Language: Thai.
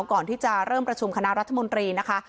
ก่อนที่จะเริ่มประชุมคณะรัฐมนตรีนะคะ